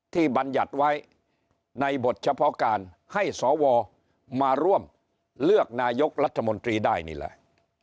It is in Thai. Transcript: บรรยัติไว้ในบทเฉพาะการให้สวมาร่วมเลือกนายกรัฐมนตรีได้นี่แหละ